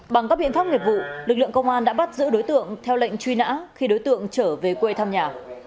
bằng các biện pháp nghiệp vụ lực lượng công an đã bắt giữ đối tượng theo lệnh truy nã khi đối tượng trở về quê thăm nhà